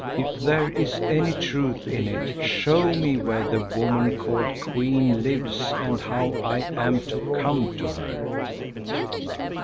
If there is any truth in it, show me where the woman called Queen lives and how I am to come to her."